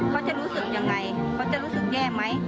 เขาจะรู้สึกยังไงเขาจะรู้สึกแย่ไหม